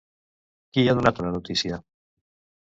Qui ha donat una notícia?